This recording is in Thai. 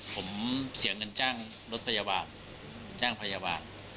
ผมเสียเงินจ้างรถพยาบาลจ้างพยาบาล